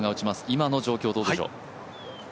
今の状況、どうでしょう。